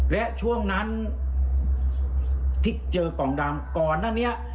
และช่วงนั้นที่เจอกล่องดำก่อนหน้านี้